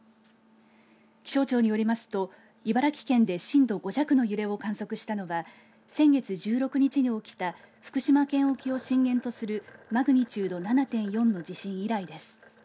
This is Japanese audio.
気象庁によりますと茨城県で震度５弱の揺れを観測したのは先月１６日に起きた福島県沖を震源とするマグニチュード７．４の地震以来です。